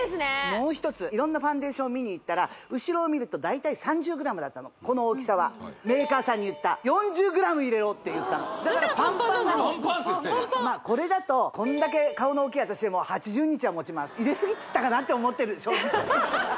もう一つ色んなファンデーションを見にいったら後ろを見ると大体３０ｇだったのこの大きさはメーカーさんに言った「４０ｇ入れろ」って言ったのだからパンパンなのまあこれだとこんだけ顔の大きい私でも８０日は持ちます入れすぎちったかなって思ってる正直